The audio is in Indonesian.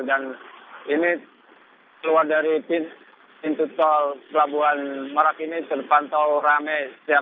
dan ini keluar dari pintu tol kelabuhan merak ini terpantau rame